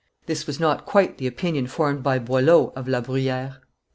This was not quite the opinion formed by Boileau of La Bruyere.